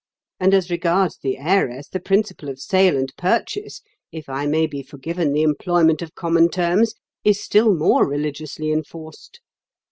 And as regards the heiress, the principle of sale and purchase, if I may be forgiven the employment of common terms, is still more religiously enforced.